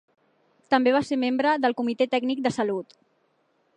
També va ser membre del Comitè Tècnic de Salut.